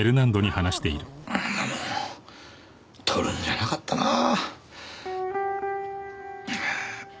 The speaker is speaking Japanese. こんなもん撮るんじゃなかったなあ。